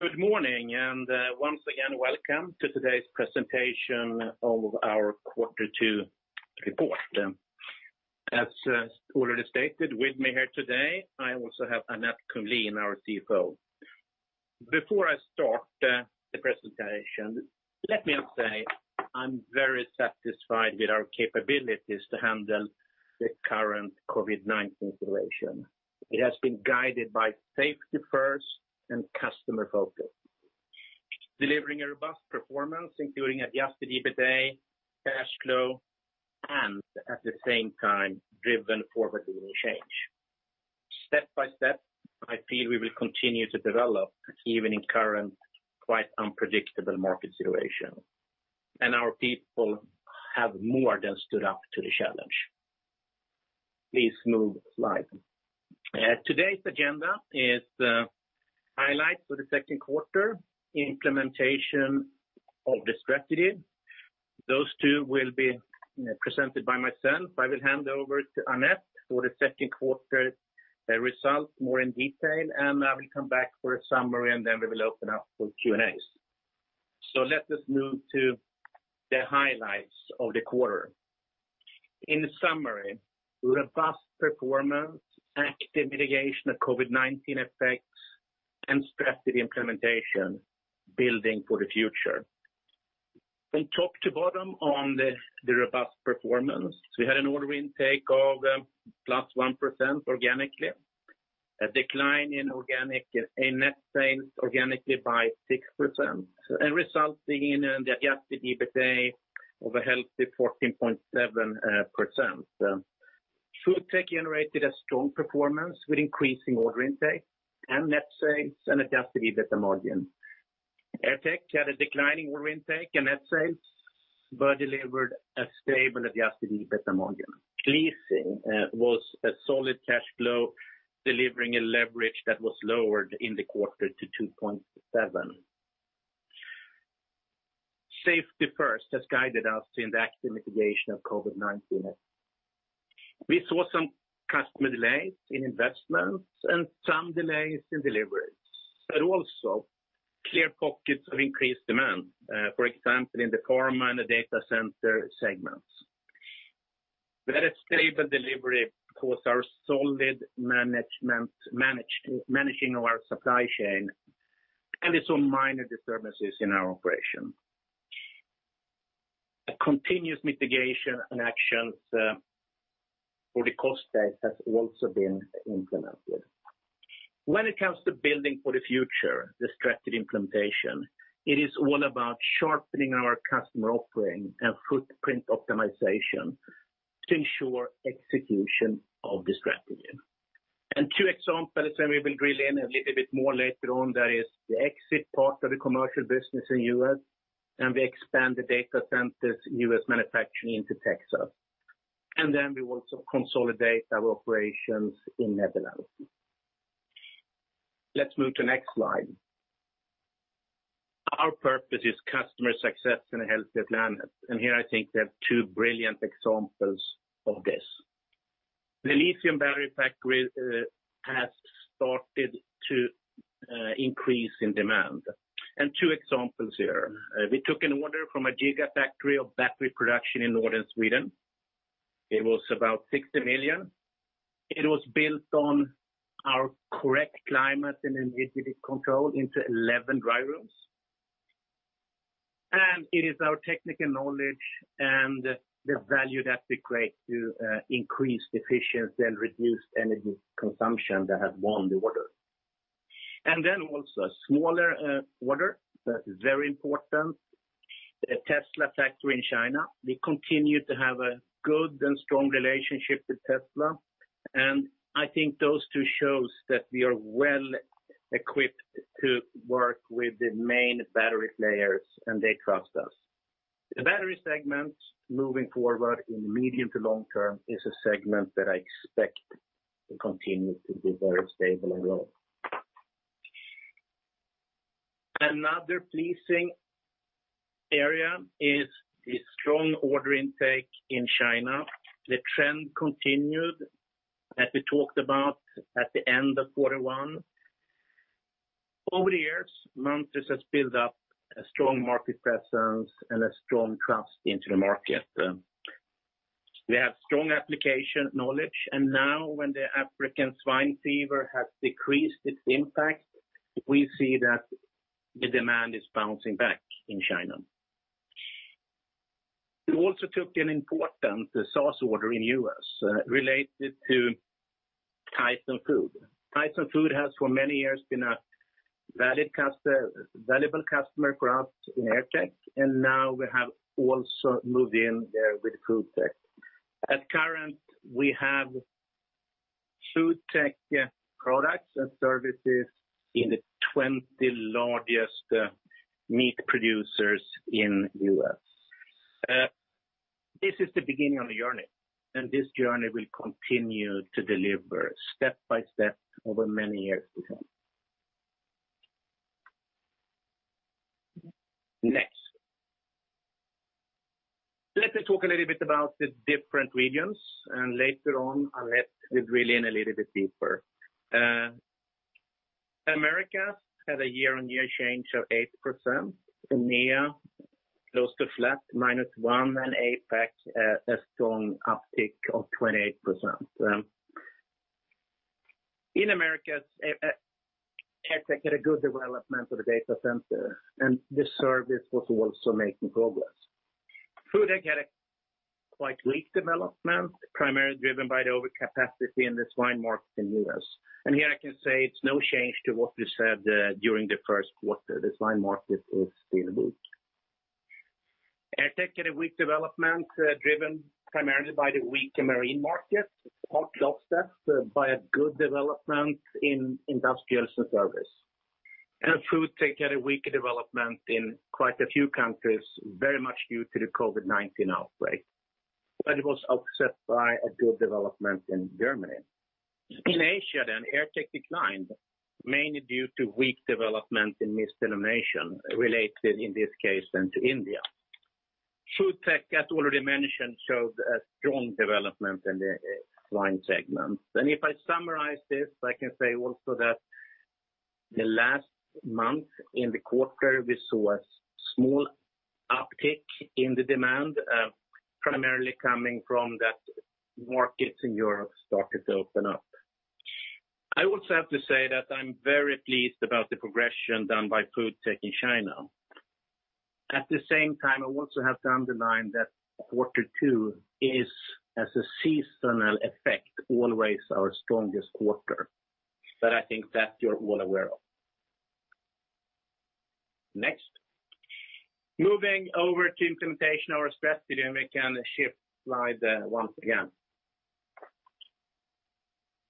Good morning, and once again, welcome to today's presentation of our quarter two report. As already stated, with me here today, I also have Annette Kumlien, our CFO. Before I start the presentation, let me say I'm very satisfied with our capabilities to handle the current COVID-19 situation. It has been guided by safety first and customer focus, delivering a robust performance, including Adjusted EBITDA, cash flow, and at the same time, driven forward leaning change. Step by step, I feel we will continue to develop even in current, quite unpredictable market situations, and our people have more than stood up to the challenge. Please move slides. Today's agenda is highlights for the second quarter, implementation of the strategy. Those two will be presented by myself. I will hand over to Annette for the second quarter results more in detail, and I will come back for a summary, and then we will open up for Q&A. So let us move to the highlights of the quarter. In summary, robust performance, active mitigation of COVID-19 effects, and strategy implementation, building for the future. From top to bottom on the robust performance, we had an order intake of +1% organically, a decline in net sales organically by 6%, resulting in the Adjusted EBITDA of a healthy 14.7%. FoodTech generated a strong performance with increasing order intake and net sales and Adjusted EBITDA margin. AirTech had a declining order intake and net sales, but delivered a stable Adjusted EBITDA margin. Leasing was a solid cash flow, delivering a leverage that was lowered in the quarter to 2.7. Safety first has guided us to enact the mitigation of COVID-19. We saw some customer delays in investments and some delays in deliveries, but also clear pockets of increased demand, for example, in the Pharma and the Data Center segments. Very stable delivery caused our solid management, managing our supply chain, and some minor disturbances in our operation. Continuous mitigation and actions for the cost base have also been implemented. When it comes to building for the future, the strategy implementation, it is all about sharpening our customer offering and footprint optimization to ensure execution of the strategy. Two examples, and we will drill in a little bit more later on, that is the exit part of the Commercial business in the U.S., and we expand the Data Centers in U.S. manufacturing into Texas, and then we also consolidate our operations in Netherlands. Let's move to the next slide. Our purpose is customer success in a healthy planet, and here I think we have two brilliant examples of this. The lithium battery factory has started to increase in demand, and two examples here. We took an order from a gigafactory of battery production in northern Sweden. It was about 60 million. It was built on our correct climate and energy control into 11 dry rooms, and it is our technical knowledge and the value that we create to increase efficiency and reduce energy consumption that has won the order. Then also a smaller order, that's very important, the Tesla factory in China. We continue to have a good and strong relationship with Tesla, and I think those two show that we are well equipped to work with the main battery players, and they trust us. The battery segment moving forward in the medium to long term is a segment that I expect to continue to be very stable as well. Another pleasing area is the strong order intake in China. The trend continued that we talked about at the end of quarter one. Over the years, Munters has built up a strong market presence and a strong trust into the market. We have strong application knowledge. Now, when the African swine fever has decreased its impact, we see that the demand is bouncing back in China. We also took an important SaaS order in the U.S. related to Tyson Foods. Tyson Foods has for many years been a valuable customer for us in AirTech. Now, we have also moved in there with FoodTech. Currently, we have FoodTech products and services in the 20 largest meat producers in the U.S. This is the beginning of the journey, and this journey will continue to deliver step by step over many years to come. Next. Let me talk a little bit about the different regions, and later on, Annette will drill in a little bit deeper. America had a year-on-year change of 8%. EMEA close to flat, -1%, and APAC a strong uptick of 28%. In America, AirTech had a good development of the data center, and the Services was also making progress. FoodTech had a quite weak development, primarily driven by the overcapacity in the swine market in the U.S., and here I can say it's no change to what we said during the first quarter. The swine market looks stable. AirTech had a weak development driven primarily by the weaker Marine market, but offset by a good development in Industrials and Services. FoodTech had a weaker development in quite a few countries, very much due to the COVID-19 outbreak. But it was offset by a good development in Germany. In Asia, then, AirTech declined, mainly due to weak development in Mist Elimination related, in this case, then to India. FoodTech, as already mentioned, showed a strong development in the swine segment. And if I summarize this, I can say also that the last month in the quarter, we saw a small uptick in the demand, primarily coming from that markets in Europe started to open up. I also have to say that I'm very pleased about the progression done by FoodTech in China. At the same time, I also have to underline that quarter two is, as a seasonal effect, always our strongest quarter. But I think that you're well aware of. Next. Moving over to implementation of our strategy, and we can shift slides once again.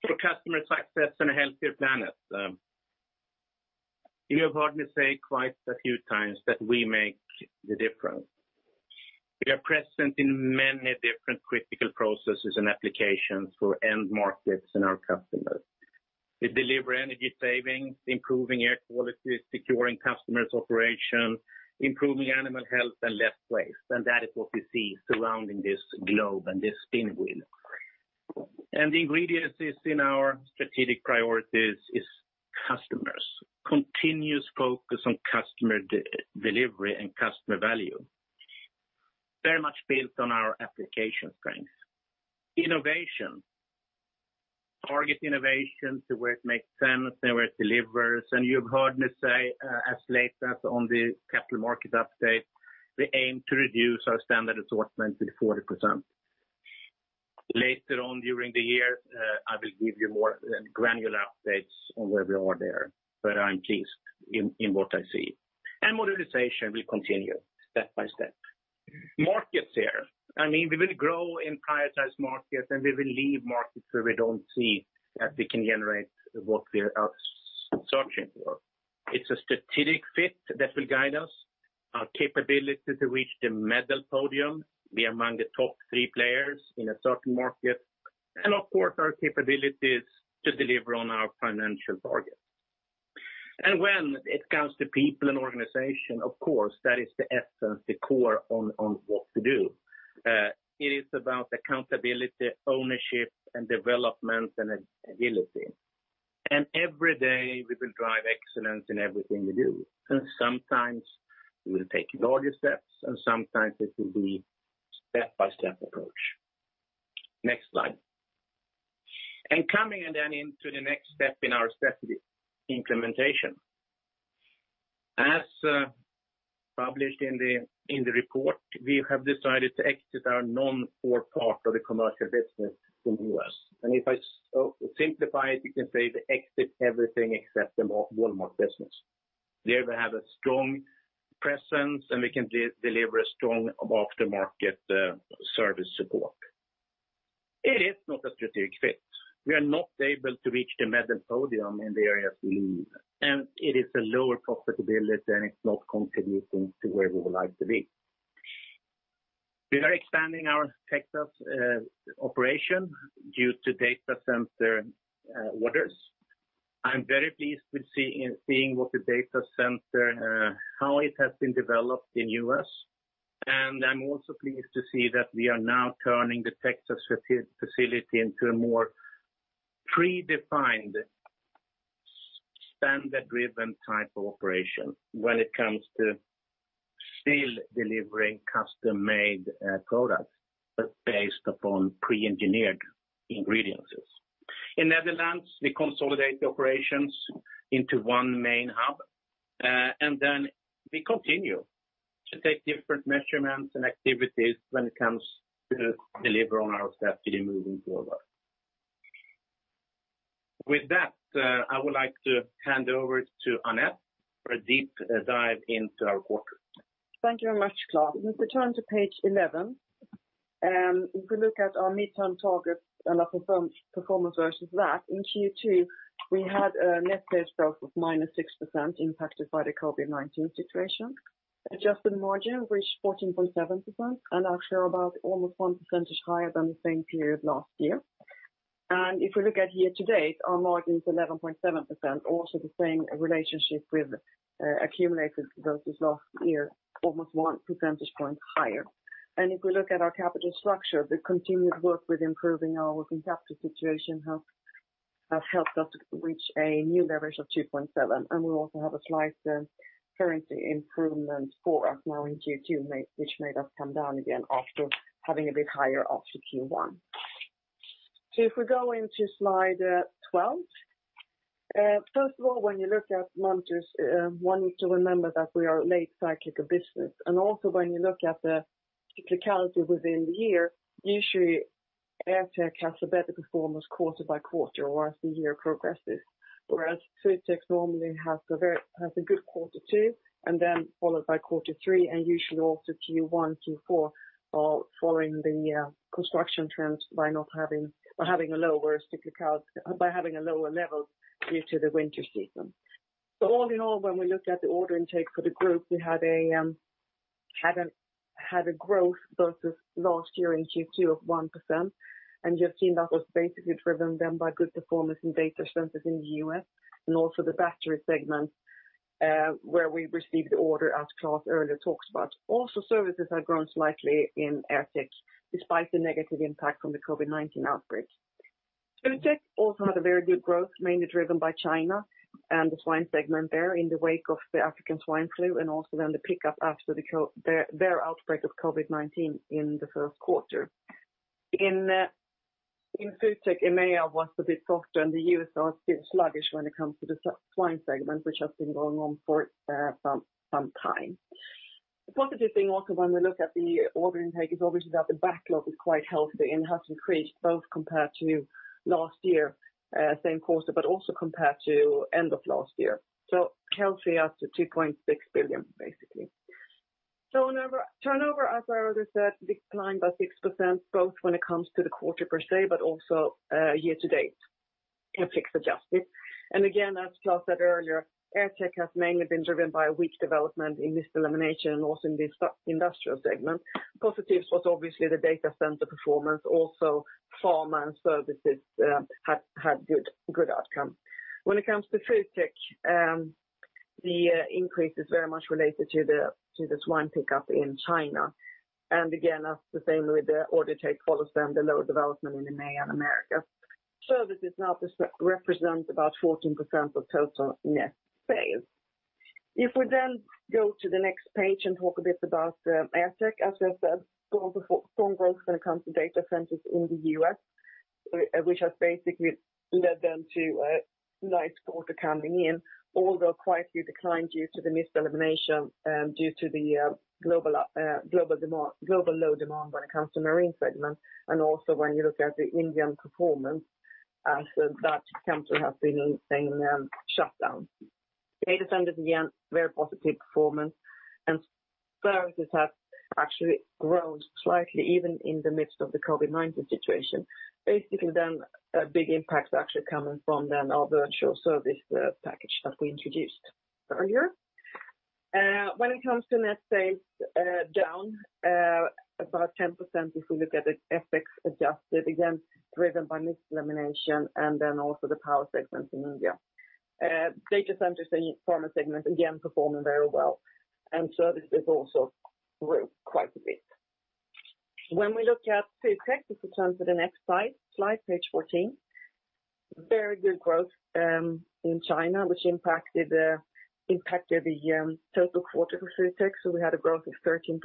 For customer success and a healthier planet, you have heard me say quite a few times that we make the difference. We are present in many different critical processes and applications for end markets and our customers. We deliver energy savings, improving air quality, securing customers' operations, improving animal health, and less waste. That is what we see surrounding this globe and this spin wheel. And the ingredients in our strategic priorities are customers, continuous focus on customer delivery and customer value, very much built on our application strength. Innovation. Target innovation to where it makes sense and where it delivers. And you've heard me say, as late as on the capital market update, we aim to reduce our standard assortment to 40%. Later on during the year, I will give you more granular updates on where we are there. But I'm pleased in what I see. And modernization will continue step by step. Market share. I mean, we will grow in prioritized markets, and we will leave markets where we don't see that we can generate what we are searching for. It's a strategic fit that will guide us, our capability to reach the medal podium. We are among the top three players in a certain market. And of course, our capabilities to deliver on our financial target. And when it comes to people and organization, of course, that is the essence, the core on what to do. It is about accountability, ownership, and development and agility. Every day, we will drive excellence in everything we do. Sometimes we will take larger steps, and sometimes it will be a step-by-step approach. Next slide. And coming then into the next step in our strategy implementation. As published in the report, we have decided to exit our non-core part of the Commercial business in the U.S. If I simplify it, you can say we exit everything except the Walmart business. There we have a strong presence, and we can deliver a strong aftermarket service support. It is not a strategic fit. We are not able to reach the medal podium in the areas we need. And it is a lower profitability, and it's not contributing to where we would like to be. We are expanding our Texas operation due to data center orders. I'm very pleased with seeing what the data center, how it has been developed in the U.S. I'm also pleased to see that we are now turning the Texas facility into a more predefined, standard-driven type of operation when it comes to still delivering custom-made products based upon pre-engineered ingredients. In Netherlands, we consolidate the operations into one main hub. Then we continue to take different measurements and activities when it comes to deliver on our strategy moving forward. With that, I would like to hand over to Annette for a deep dive into our quarter. Thank you very much, Klas. We turn to page 11. If we look at our midterm targets and our performance versus that, in Q2, we had a net sales growth of -6% impacted by the COVID-19 situation. Adjusted margin reached 14.7%, and actually about almost 1 percentage higher than the same period last year. And if we look at year to date, our margin is 11.7%, also the same relationship with accumulated versus last year, almost 1 percentage point higher. And if we look at our capital structure, the continued work with improving our working capital situation has helped us reach a new leverage of 2.7. And we also have a slight currency improvement for us now in Q2, which made us come down again after having a bit higher after Q1. So if we go into slide 12. First of all, when you look at Munters, one needs to remember that we are a late cycle of business. Also, when you look at the cyclicality within the year, usually AirTech has a better performance quarter by quarter or as the year progresses. Whereas FoodTech normally has a good quarter two and then followed by quarter three and usually also Q1, Q4 following the construction trends by having a lower cyclical, by having a lower level due to the winter season. So all in all, when we look at the order intake for the group, we had a growth versus last year in Q2 of 1%, and you've seen that was basically driven then by good performance in Data Centers in the U.S. and also the battery segment where we received the order as Klas earlier talked about. Also, services have grown slightly in AirTech, despite the negative impact from the COVID-19 outbreak. FoodTech also had a very good growth, mainly driven by China and the swine segment there in the wake of the African swine flu and also then the pickup after their outbreak of COVID-19 in the first quarter. In FoodTech, EMEA was a bit softer, and the U.S. are still sluggish when it comes to the swine segment, which has been going on for some time. The positive thing also, when we look at the order intake, is obviously that the backlog is quite healthy and has increased both compared to last year, same quarter, but also compared to end of last year. So, healthy at 2.6 billion, basically. So, turnover as I already said, declined by 6%, both when it comes to the quarter per se, but also year to date, currency adjusted. And again, as Klas said earlier, AirTech has mainly been driven by a weak development in Mist Elimination and also in the Industrial segment. Positives was obviously the data center performance. Also, Pharma and Services had good outcomes. When it comes to FoodTech, the increase is very much related to the swine pickup in China. And again, as the same with the order intake follows them, the lower development in EMEA and America. Services now represent about 14% of total net sales. If we then go to the next page and talk a bit about AirTech, as I said, strong growth when it comes to Data Centers in the U.S., which has basically led them to a nice quarter coming in, although quite a few declined due to the Mist Elimination due to the global low demand when it comes to Marine segment. And also, when you look at the Indian performance, that country has been in shutdown. Data Centers, again, very positive performance. And services have actually grown slightly, even in the midst of the COVID-19 situation. Basically, a big impact actually coming from our virtual service package that we introduced earlier. When it comes to net sales, down about 10%, if we look at the FX-adjusted, again, driven by Mist Elimination and then also the Power segment in India. Data Centers and Pharma segments, again, performing very well. And Services also grew quite a bit. When we look at FoodTech, if we turn to the next slide, page 14, very good growth in China, which impacted the total quarter for FoodTech. So we had a growth of 13%.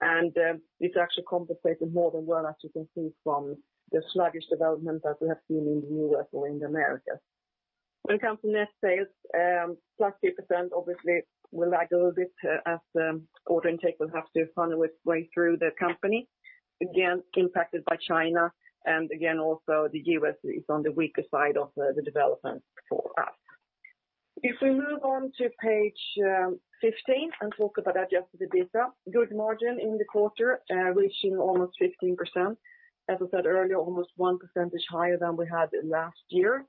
And it's actually compensated more than well, as you can see from the sluggish development that we have seen in the U.S. or in America. When it comes to net sales, +2%, obviously, will lag a little bit as order intake will have to funnel its way through the company. Again, impacted by China. And again, also the U.S. is on the weaker side of the development for us. If we move on to page 15 and talk about Adjusted EBITDA, good margin in the quarter, reaching almost 15%. As I said earlier, almost 1% higher than we had last year.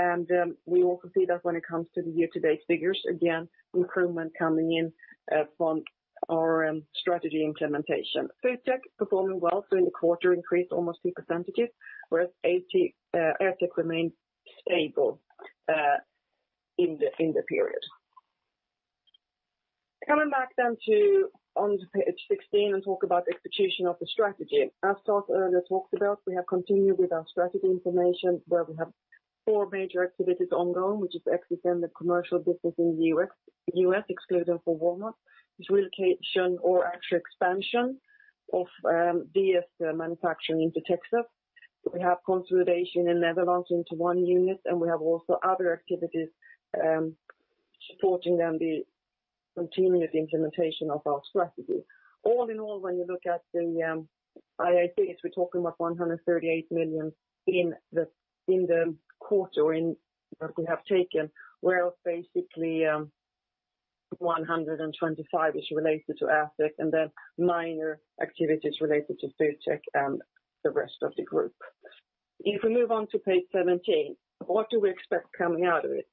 And we also see that when it comes to the year-to-date figures, again, improvement coming in from our strategy implementation. FoodTech performing well. So in the quarter, increased almost 2%, whereas AirTech remained stable in the period. Coming back, then, onto page 16 to talk about execution of the strategy. As Klas earlier talked about, we have continued with our strategy implementation, where we have four major activities ongoing, which is exiting the Commercial business in the U.S., excluding for Walmart, which is relocation or actual expansion of DC manufacturing into Texas. We have consolidation in the Netherlands into one unit, and we have also other activities supporting, then, the continued implementation of our strategy. All in all, when you look at the items, we're talking about 138 million in the quarter that we have taken, whereas basically 125 million is related to AirTech and then minor activities related to FoodTech and the rest of the group. If we move on to page 17, what do we expect coming out of it?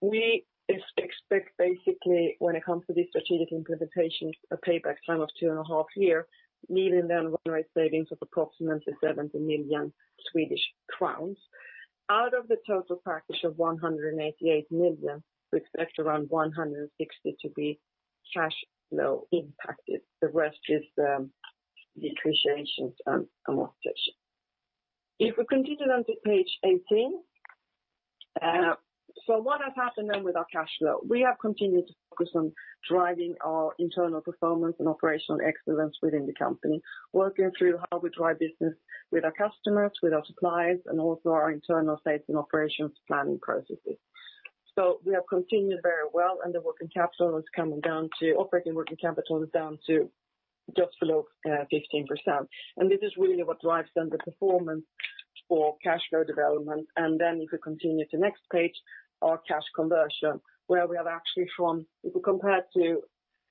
We expect basically, when it comes to the strategic implementation, a payback time of 2.5 years, leaving then run rate savings of approximately 70 million Swedish crowns. Out of the total package of 188 million, we expect around 160 million to be cash flow impacted. The rest is depreciation and amortization. If we continue then to page 18, so what has happened then with our cash flow? We have continued to focus on driving our internal performance and operational excellence within the company, working through how we drive business with our customers, with our suppliers, and also our internal sales and operations planning processes, so we have continued very well, and the operating working capital is down to just below 15%. This is really what drives then the performance for cash flow development. And then if we continue to next page, our cash conversion, where we have actually from, if we compare to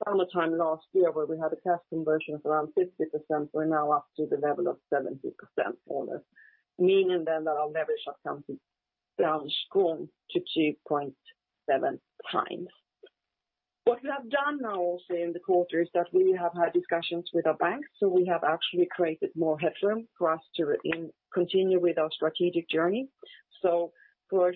summertime last year, where we had a cash conversion of around 50%, we're now up to the level of 70% almost, meaning then that our leverage has come down strong to 2.7x. What we have done now also in the quarter is that we have had discussions with our banks. So we have actually created more headroom for us to continue with our strategic journey. So for a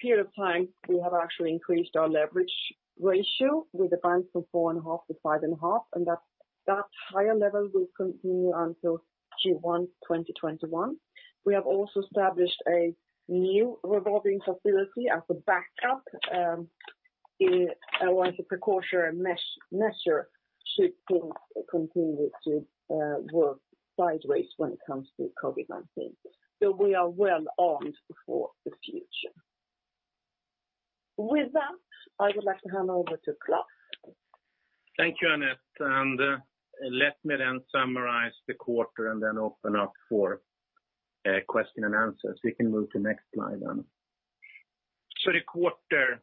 period of time, we have actually increased our leverage ratio with the banks from 4.5 to 5.5. And that higher level will continue until Q1 2021. We have also established a new revolving facility as a backup or as a precautionary measure should things continue to work sideways when it comes to COVID-19. So we are well armed for the future. With that, I would like to hand over to Klas. Thank you, Annette. Let me then summarize the quarter and then open up for questions and answers. We can move to next slide then. So the quarter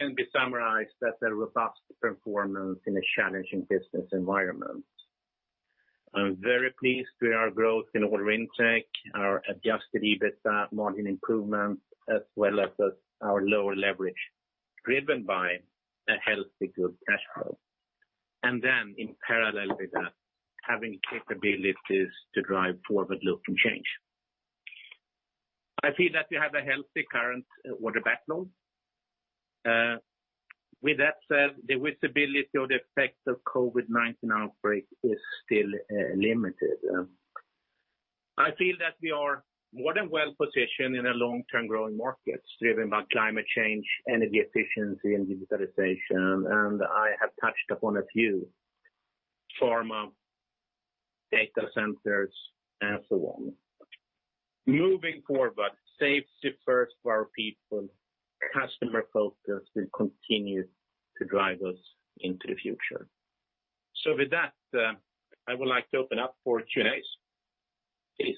can be summarized as a robust performance in a challenging business environment. I'm very pleased with our growth in order intake, our Adjusted EBITDA margin improvement, as well as our lower leverage, driven by a healthy good cash flow. And then in parallel with that, having capabilities to drive forward-looking change. I feel that we have a healthy current order backlog. With that said, the visibility or the effect of COVID-19 outbreak is still limited. I feel that we are more than well positioned in a long-term growing market driven by climate change, energy efficiency, and digitalization. And I have touched upon a few, pharma, data centers, and so on. Moving forward, safety first for our people, customer focus will continue to drive us into the future. So with that, I would like to open up for Q&A, please.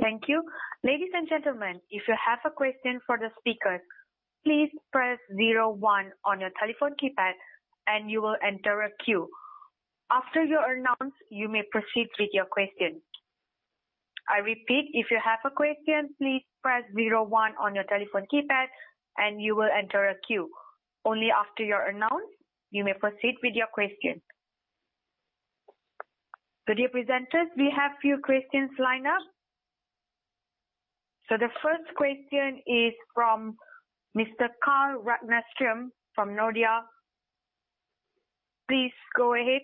Thank you. Ladies and gentlemen, if you have a question for the speakers, please press zero one on your telephone keypad, and you will enter a queue. After your announce, you may proceed with your question. I repeat, if you have a question, please press zero one on your telephone keypad, and you will enter a queue. Only after your announce, you may proceed with your question. Good day, presenters. We have a few questions lined up. So, the first question is from Mr. Carl Ragnerstam from Nordea. Please go ahead.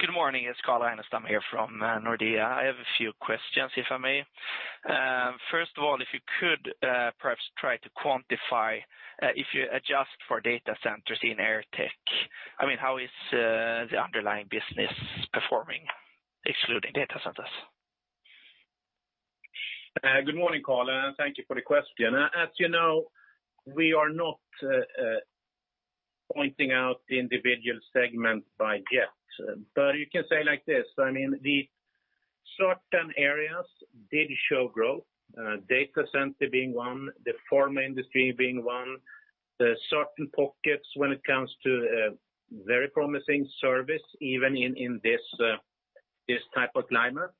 Good morning. It's Carl Ragnerstam here from Nordea. I have a few questions, if I may. First of all, if you could perhaps try to quantify if you adjust for data centers in AirTech, I mean, how is the underlying business performing, excluding Data Centers? Good morning, Carl. Thank you for the question. As you know, we are not pointing out the individual segment by yet, but you can say like this. I mean, the certain areas did show growth, Data Center being one, the pharma industry being one, certain pockets when it comes to very promising service, even in this type of climate.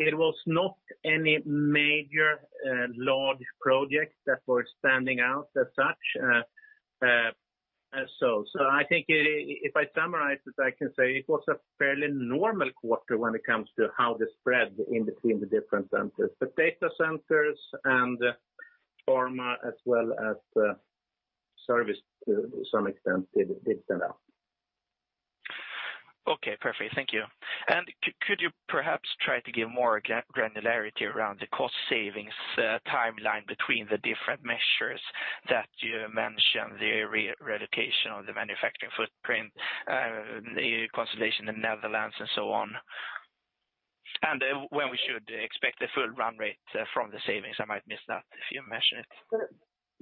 It was not any major large project that were standing out as such, so I think if I summarize it, I can say it was a fairly normal quarter when it comes to how the spread in between the different centers, but Data Centers and Pharma, as well as Service, to some extent, did stand out. Okay, perfect. Thank you. And could you perhaps try to give more granularity around the cost savings timeline between the different measures that you mentioned, the relocation of the manufacturing footprint, the consolidation in the Netherlands, and so on? And when we should expect the full run rate from the savings, I might miss that if you mention it.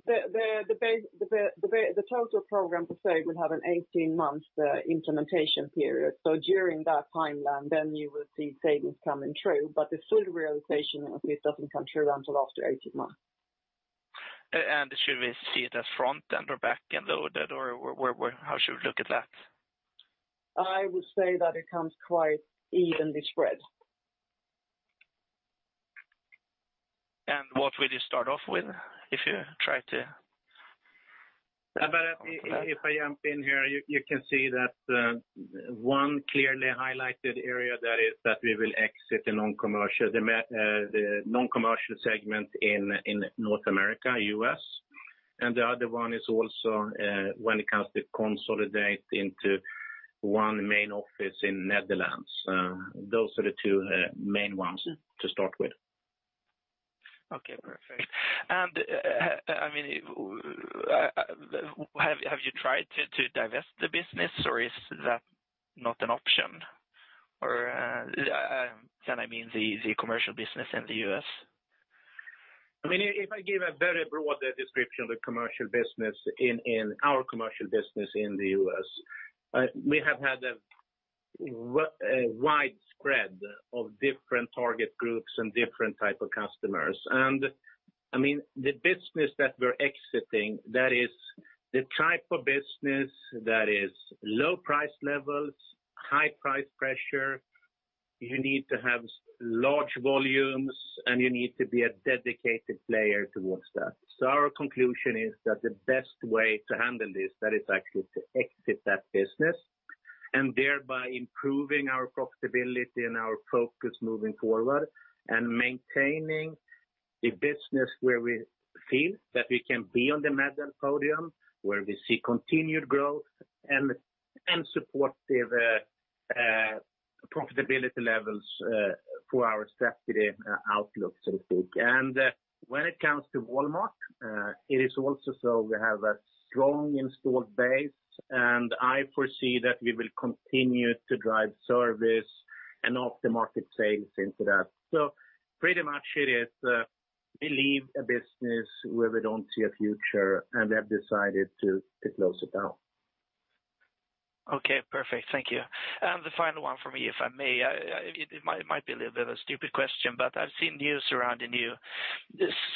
The total program per se will have an 18-month implementation period. So during that timeline, then you will see savings coming true. But the full realization of it doesn't come true until after 18 months. And should we see it as front-end or back-end loaded, or how should we look at that? I would say that it comes quite evenly spread. And what will you start off with if you try to? But if I jump in here, you can see that one clearly highlighted area that we will exit the non-core Commercial segment in North America, U.S.. And the other one is also when it comes to consolidate into one main office in Netherlands. Those are the two main ones to start with. Okay, perfect. And I mean, have you tried to divest the business, or is that not an option? Or can I mean the Commercial business in the U.S.? I mean, if I give a very broad description of the Commercial business, our Commercial business in the U.S., we have had a widespread of different target groups and different types of customers. And I mean, the business that we're exiting, that is the type of business that is low price levels, high price pressure. You need to have large volumes, and you need to be a dedicated player towards that. So our conclusion is that the best way to handle this, that is actually to exit that business and thereby improving our profitability and our focus moving forward and maintaining a business where we feel that we can be on the medal podium, where we see continued growth and supportive profitability levels for our strategy outlook, so to speak. And when it comes to Walmart, it is also so we have a strong installed base, and I foresee that we will continue to drive service and off-the-market sales into that. So pretty much it is we leave a business where we don't see a future, and we have decided to close it down. Okay, perfect. Thank you. And the final one for me, if I may. It might be a little bit of a stupid question, but I've seen news surrounding new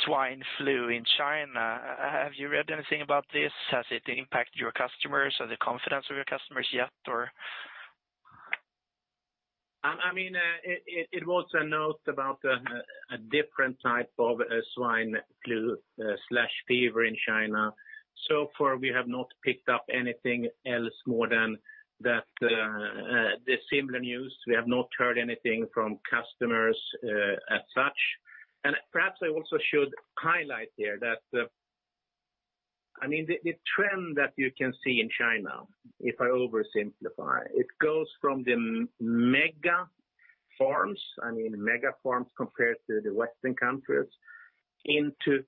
swine flu in China. Have you read anything about this? Has it impacted your customers or the confidence of your customers yet, or? I mean, it was a note about a different type of swine flu/fever in China. So far, we have not picked up anything else more than that similar news. We have not heard anything from customers as such, and perhaps I also should highlight here that, I mean, the trend that you can see in China, if I oversimplify, it goes from the mega farms, I mean, mega farms compared to the Western countries, into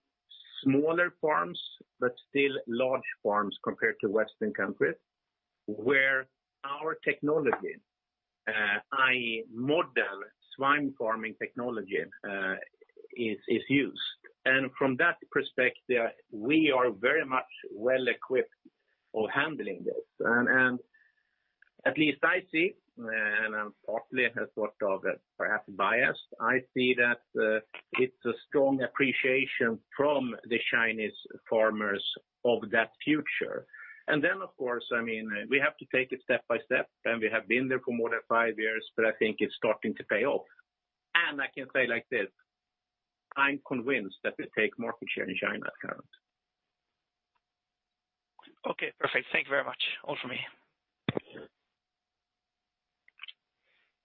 smaller farms, but still large farms compared to Western countries, where our technology, i.e., modern swine farming technology, is used, and from that perspective, we are very much well equipped for handling this. And at least I see, and I'm partly sort of perhaps biased, I see that it's a strong appreciation from the Chinese farmers of that future. And then, of course, I mean, we have to take it step by step. And we have been there for more than five years, but I think it's starting to pay off. And I can say like this, I'm convinced that we take market share in China at current. Okay, perfect. Thank you very much. All for me.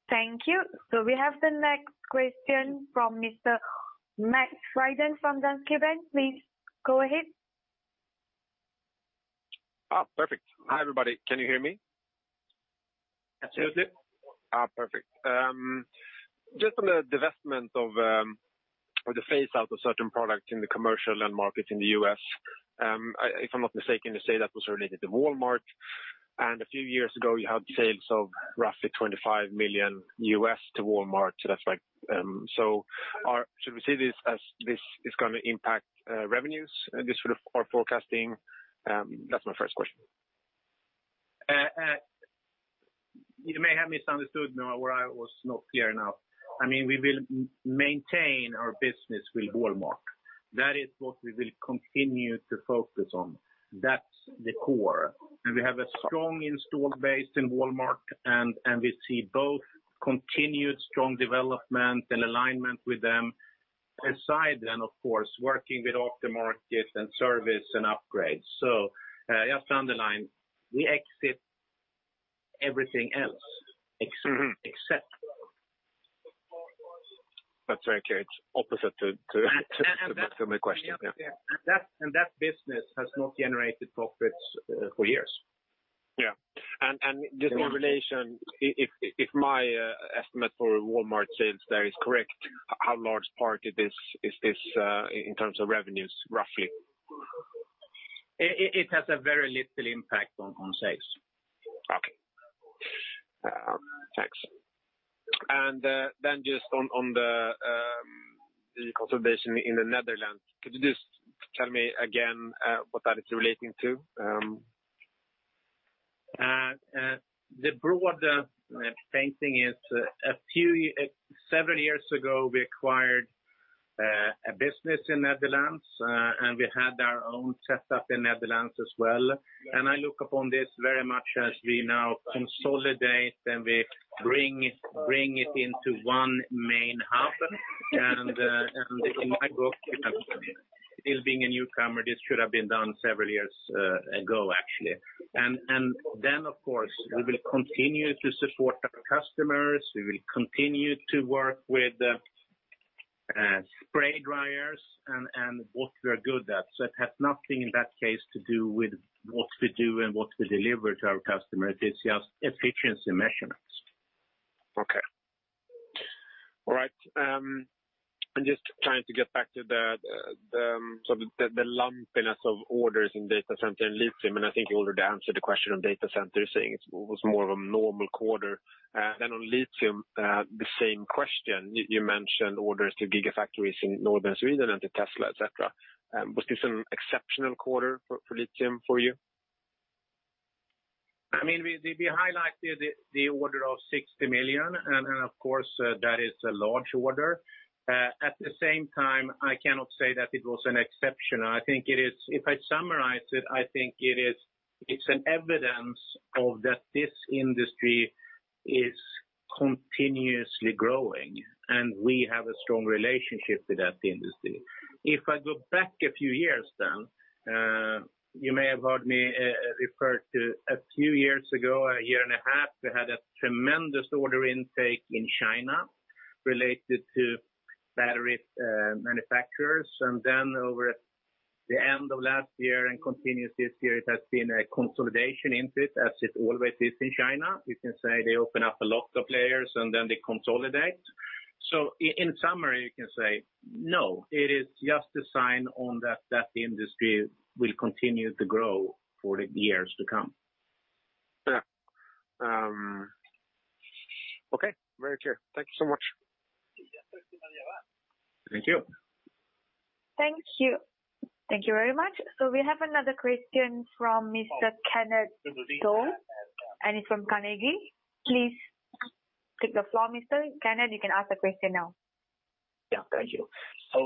Thank you. So we have the next question from Mr. Max Frydén from Danske Bank. Please go ahead. Perfect. Hi, everybody. Can you hear me? Absolutely. Perfect. Just on the divestment of the phase-out of certain products in the commercial end market in the U.S., if I'm not mistaken, you say that was related to Walmart. And a few years ago, you had sales of roughly $25 million to Walmart. So should we see this as this is going to impact revenues? This would have forecasting. That's my first question. You may have misunderstood where I was not clear enough. I mean, we will maintain our business with Walmart. That is what we will continue to focus on. That's the core. And we have a strong installed base in Walmart, and we see both continued strong development and alignment with them, aside then, of course, working with aftermarket and service and upgrades. So just to underline, we exit everything else except. That's very clear. It's opposite to the background of my question. And that business has not generated profits for years. Yeah. And just in relation, if my estimate for Walmart sales there is correct, how large part is this in terms of revenues, roughly? It has a very little impact on sales. Okay. Thanks. And then just on the consolidation in the Netherlands, could you just tell me again what that is relating to? The broader thing is, several years ago, we acquired a business in Netherlands, and we had our own setup in Netherlands as well. And I look upon this very much as we now consolidate and we bring it into one main hub. And in my book, still being a newcomer, this should have been done several years ago, actually. And then, of course, we will continue to support our customers. We will continue to work with spray dryers and what we're good at. So it has nothing in that case to do with what we do and what we deliver to our customers. It's just efficiency measurements. Okay. All right. I'm just trying to get back to the sort of the lumpiness of orders in data center and lithium. And I think you already answered the question on Data Centers, saying it was more of a normal quarter. Then on lithium, the same question. You mentioned orders to gigafactories in northern Sweden and to Tesla, etc. Was this an exceptional quarter for lithium for you? I mean, we highlighted the order of 60 million. And of course, that is a large order. At the same time, I cannot say that it was an exception. I think it is, if I summarize it, I think it's an evidence of that this industry is continuously growing, and we have a strong relationship with that industry. If I go back a few years then, you may have heard me refer to a few years ago, a year and a half, we had a tremendous order intake in China related to battery manufacturers. And then over the end of last year and continuous this year, it has been a consolidation intake as it always is in China. You can say they open up a lot of players, and then they consolidate. So in summary, you can say, no, it is just a sign on that that industry will continue to grow for the years to come. Yeah. Okay. Very clear. Thank you so much. Thank you. Thank you. Thank you very much. So we have another question from Mr. Kenneth Toll, and he's from Carnegie. Please take the floor, Mr. Kenneth. You can ask the question now. Yeah. Thank you. So I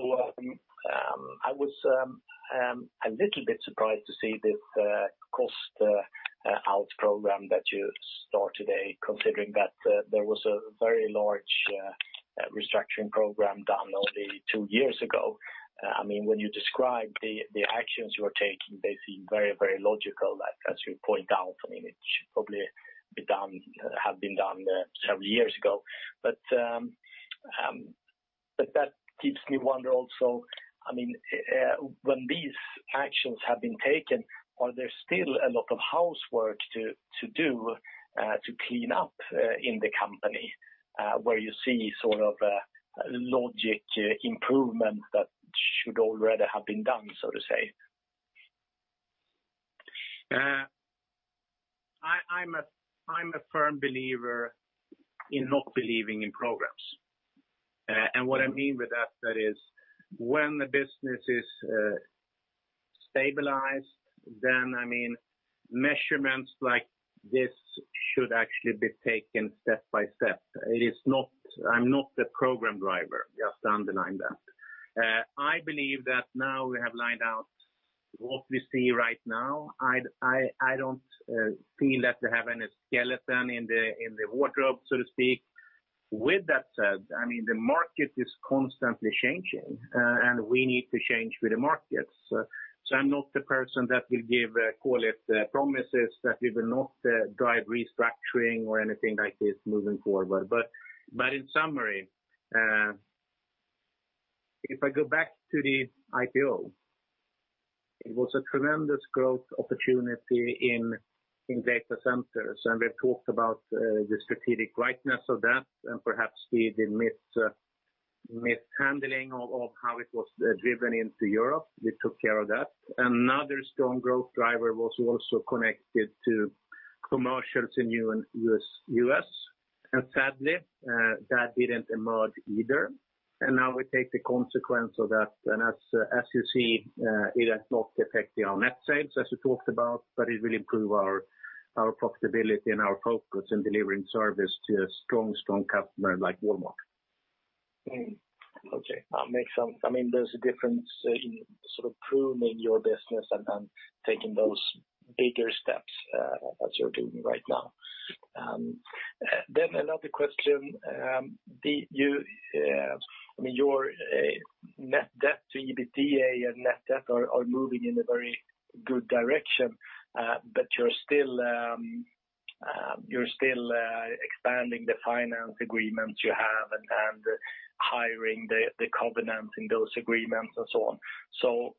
was a little bit surprised to see this cost-out program that you started today, considering that there was a very large restructuring program done only two years ago. I mean, when you describe the actions you are taking, they seem very, very logical, as you point out. I mean, it should probably have been done several years ago. But that keeps me wondering also, I mean, when these actions have been taken, are there still a lot of housekeeping to do to clean up in the company where you see sort of logical improvement that should already have been done, so to say? I'm a firm believer in not believing in programs. And what I mean with that is when the business is stabilized, then I mean, measures like this should actually be taken step by step. I'm not a program driver, just to underline that. I believe that now we have lined out what we see right now. I don't feel that we have any skeleton in the wardrobe, so to speak. With that said, I mean, the market is constantly changing, and we need to change with the markets. So I'm not the person that will give call it promises that we will not drive restructuring or anything like this moving forward. But in summary, if I go back to the IPO, it was a tremendous growth opportunity in data centers. And we've talked about the strategic rightness of that and perhaps the mishandling of how it was driven into Europe. We took care of that. Another strong growth driver was also connected to commercials in the U.S. And sadly, that didn't emerge either. And now we take the consequence of that. And as you see, it has not affected our net sales, as you talked about, but it will improve our profitability and our focus in delivering service to a strong, strong customer like Walmart. Okay. That makes sense. I mean, there's a difference in sort of proving your business and taking those bigger steps as you're doing right now. Then another question. I mean, your net debt-to-EBITDA and net debt are moving in a very good direction, but you're still expanding the finance agreements you have and highering the covenants in those agreements and so on. So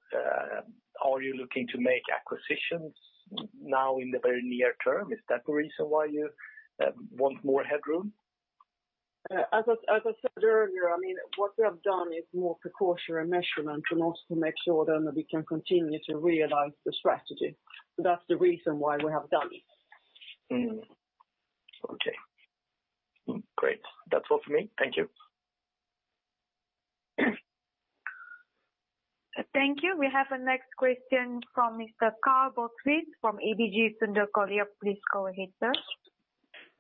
are you looking to make acquisitions now in the very near term? Is that the reason why you want more headroom? As I said earlier, I mean, what we have done is more precautionary measures in order to make sure that we can continue to realize the strategy. So that's the reason why we have done it. Okay. Great. That's all for me. Thank you. Thank you. We have a next question from Mr. Karl Bokvist from ABG Sundal Collier. Please go ahead, sir.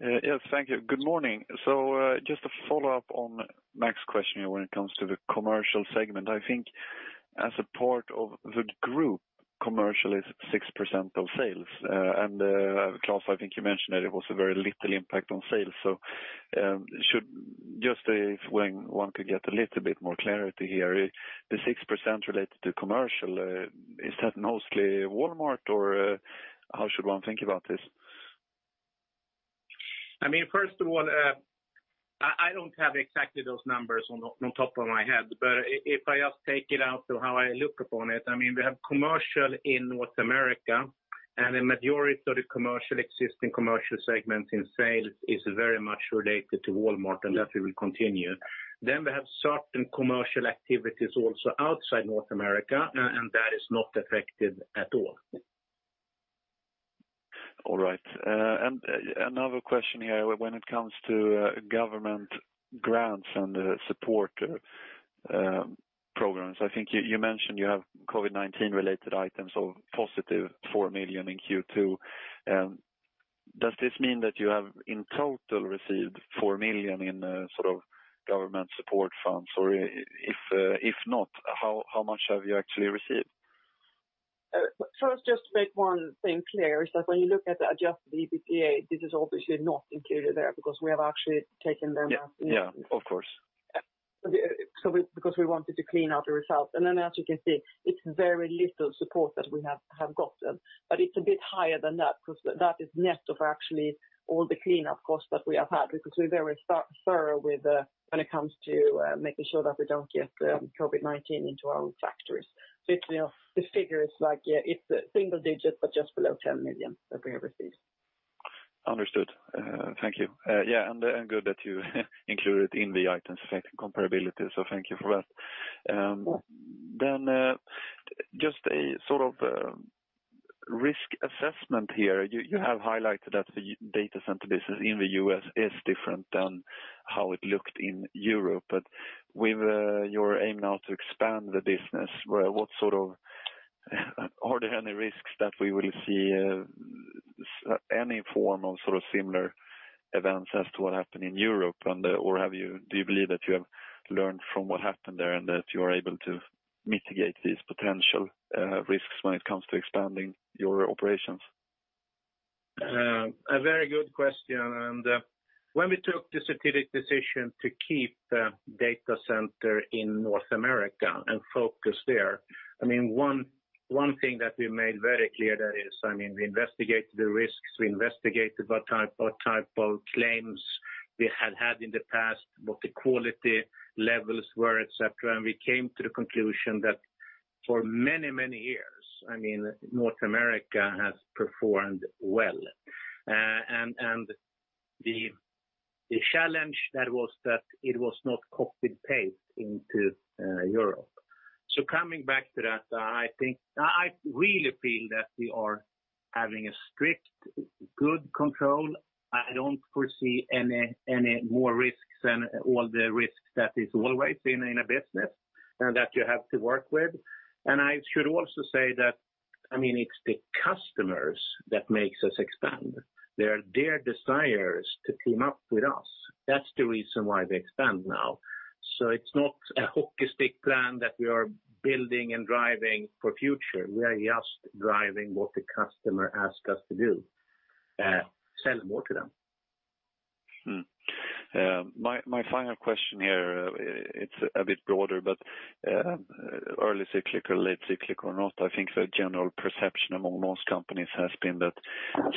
Yes. Thank you. Good morning. So just to follow up on Max's question here when it comes to the commercial segment, I think as a part of the group, commercial is 6% of sales. And Klas, I think you mentioned that it was a very little impact on sales. So just if one could get a little bit more clarity here, the 6% related to commercial, is that mostly Walmart, or how should one think about this? I mean, first of all, I don't have exactly those numbers on top of my head, but if I just take it out of how I look upon it, I mean, we have commercial in North America, and the majority of the existing commercial segments in sales is very much related to Walmart, and that we will continue. Then we have certain commercial activities also outside North America, and that is not affected at all. All right, and another question here when it comes to government grants and support programs. I think you mentioned you have COVID-19-related items of positive 4 million in Q2. Does this mean that you have in total received 4 million in sort of government support funds? Or if not, how much have you actually received? First, just to make one thing clear, is that when you look at the Adjusted EBITDA, this is obviously not included there because we have actually taken them as. Yeah, of course. Because we wanted to clean out the result. And then, as you can see, it's very little support that we have gotten. But it's a bit higher than that because that is net of actually all the cleanup costs that we have had because we're very thorough when it comes to making sure that we don't get COVID-19 into our factories. So the figure is like it's single digits, but just below 10 million that we have received. Understood. Thank you. Yeah. And good that you included it in the items of comparability. So thank you for that. Then just a sort of risk assessment here. You have highlighted that the Data Center business in the U.S. is different than how it looked in Europe. But with your aim now to expand the business, what sort of are there any risks that we will see any form of sort of similar events as to what happened in Europe? Or do you believe that you have learned from what happened there and that you are able to mitigate these potential risks when it comes to expanding your operations? A very good question. And when we took the strategic decision to keep Data Center in North America and focus there, I mean, one thing that we made very clear that is, I mean, we investigated the risks. We investigated what type of claims we had had in the past, what the quality levels were, etc. And we came to the conclusion that for many, many years, I mean, North America has performed well. And the challenge that was that it was not copied-paste into Europe. So coming back to that, I think I really feel that we are having a strict good control. I don't foresee any more risks than all the risks that is always in a business and that you have to work with. And I should also say that, I mean, it's the customers that makes us expand. Their desire is to team up with us. That's the reason why they expand now. So it's not a hockey stick plan that we are building and driving for future. We are just driving what the customer asks us to do, sell more to them. My final question here, it's a bit broader, but early cyclic or late cyclic or not, I think the general perception among most companies has been that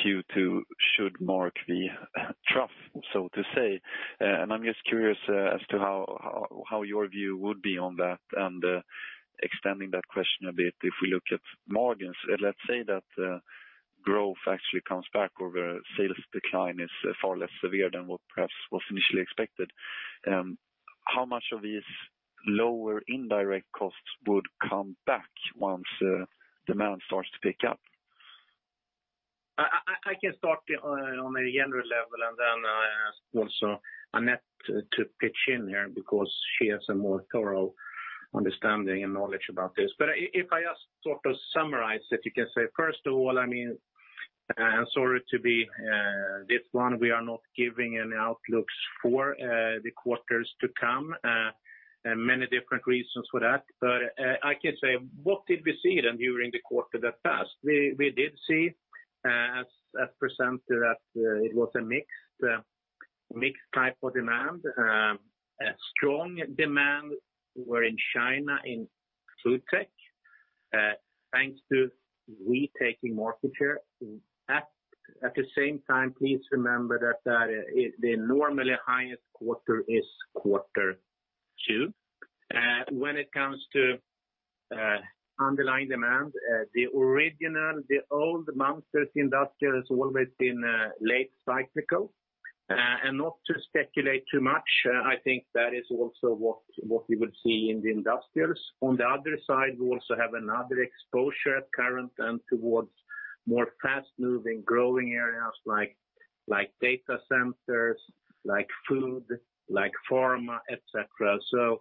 Q2 should mark the trough, so to say, and I'm just curious as to how your view would be on that, and extending that question a bit, if we look at margins, let's say that growth actually comes back or the sales decline is far less severe than what perhaps was initially expected. How much of these lower indirect costs would come back once demand starts to pick up? I can start on a general level, and then I'll also Annette to pitch in here because she has a more thorough understanding and knowledge about this. But if I just sort of summarize it, you can say, first of all, I mean, and sorry to be this one, we are not giving any outlooks for the quarters to come. Many different reasons for that. But I can say, what did we see then during the quarter that passed? We did see, as presented, that it was a mixed type of demand. Strong demand were in China in FoodTech, thanks to retaking market share. At the same time, please remember that the normally highest quarter is quarter two. When it comes to underlying demand, the original, the old Munters industrial has always been late cyclical, and not to speculate too much, I think that is also what we would see in the industrials. On the other side, we also have another exposure at current and towards more fast-moving, growing areas like Data Centers, like Food, like Pharma, etc.,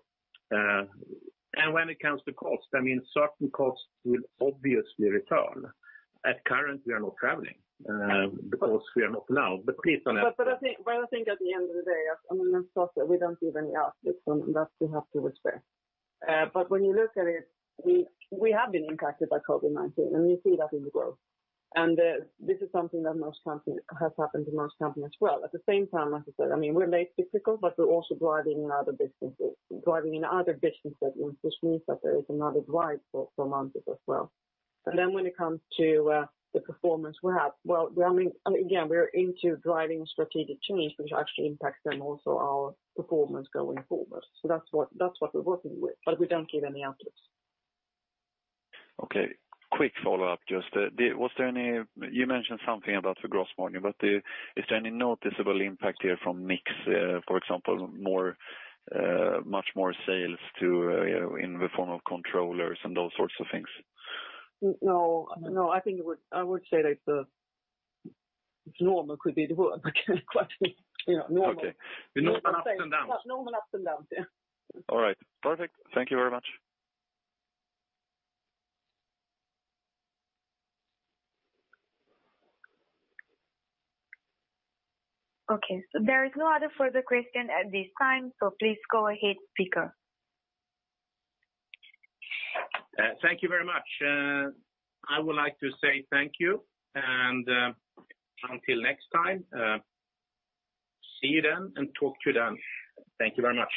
and when it comes to cost, I mean, certain costs will obviously return. At present, we are not traveling because we are not now. But please, Annette. but I think at the end of the day, I mean, it's not that we don't give any outlook on that. We have to respect, but when you look at it, we have been impacted by COVID-19, and you see that in the growth, and this is something that has happened to most companies as well. At the same time, as I said, I mean, we're late cyclical, but we're also driving in other businesses, driving in other business segments, which means that there is another drive for Munters as well. And then when it comes to the performance we have, well, again, we're into driving strategic change, which actually impacts then also our performance going forward. So that's what we're working with, but we don't give any outlooks. Okay. Quick follow-up. Just, you mentioned something about the gross margin, but is there any noticeable impact here from mix, for example, much more sales in the form of controllers and those sorts of things? No. No. I think I would say that normal could be the word, but quite normal. Okay. Normal ups and downs. Normal ups and downs. Yeah. All right. Perfect. Thank you very much. Okay. So, there is no other further question at this time, so please go ahead, speaker. Thank you very much. I would like to say thank you, and until next time, see you then and talk to you then. Thank you very much.